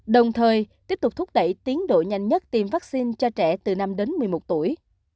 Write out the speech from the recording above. đồng thời tiếp tục thúc đẩy tiến độ nhanh nhất tiêm vaccine cho trẻ từ năm đến một mươi một tuổi